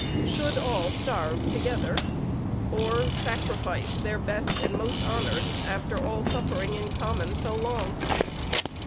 Should all starve together, or sacrifice their best and most honored after all suffering in common so long?